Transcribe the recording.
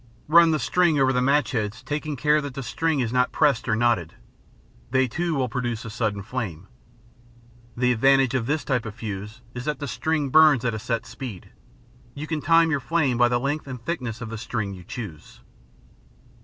Run the string over the match heads, taking care that the string is not pressed or knotted. They too will produce a sudden flame. The advantage of this type of fuse is that string burns at a set speed. You can time your fire by the length and thickness of the string you chose.